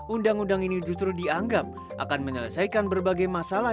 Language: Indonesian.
undang undang ini justru dianggap akan menyelesaikan berbagai masalah